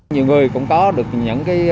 nhiều người cũng có được những